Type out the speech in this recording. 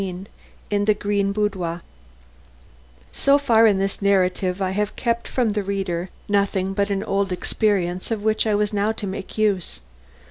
XVII IN THE GREEN BOUDOIR So far in this narrative I have kept from the reader nothing but an old experience of which I was now to make use.